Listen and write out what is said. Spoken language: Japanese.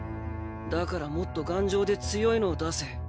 だからもっと頑丈で強いのを出せ。